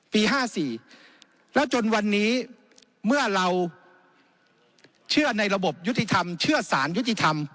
๕๔แล้วจนวันนี้เมื่อเราเชื่อในระบบยุติธรรมเชื่อสารยุติธรรม